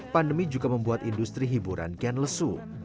pandemi juga membuat industri hiburan kian lesu